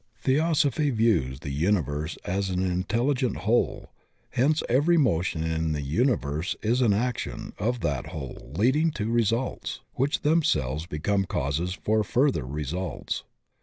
Theosophy views the Universe as an intelli gent whole, hence every motion in die Universe is an action of that whole leading to results, which them selves become causes for fiuther results.